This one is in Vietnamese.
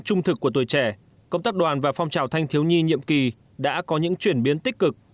trung thực của tuổi trẻ công tác đoàn và phong trào thanh thiếu nhi nhiệm kỳ đã có những chuyển biến tích cực